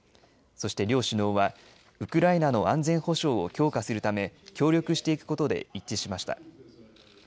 そして両首脳はウクライナの安全保障を強化するため協力していくことで一致しました。